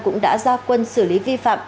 cũng đã ra quân xử lý vi phạm